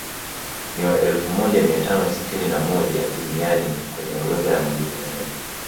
Ni wa elfu moja mia tano sitini na moja duniani kwenye orodha ya mabilionea